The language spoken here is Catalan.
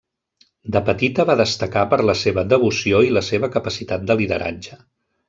De petita va destacar per la seva devoció i la seva capacitat de lideratge.